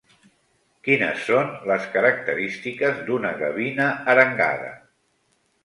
Quines són les característiques d'una gavina arengada?